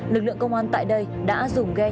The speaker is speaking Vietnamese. lực lượng công an tại đây đã dùng gây khó khăn